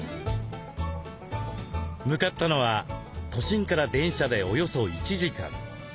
向かったのは都心から電車でおよそ１時間。